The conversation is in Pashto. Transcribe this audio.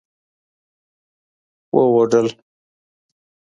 واوډل